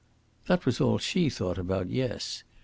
That was all she thought about, yes.